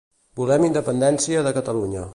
Volem l'independència de Catalunya